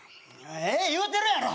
ええ言うてるやろ！